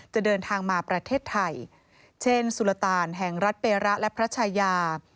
จะเดินทางมาประเทศไทยเช่นสุรตานแห่งรัฐเประและพระชายา